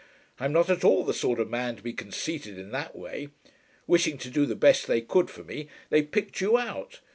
I am not at all the sort of man to be conceited in that way. Wishing to do the best they could for me, they picked you out.